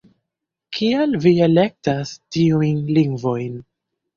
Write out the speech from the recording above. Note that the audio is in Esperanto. Kial vi elektas tiujn lingvojn?